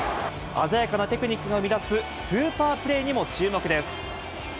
鮮やかなテクニックが生み出すスーパープレーにも注目です。